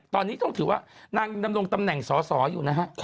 ตอนนี้ต้องถือว่านางดำรงตำแหน่งสอสออยู่นะฮะ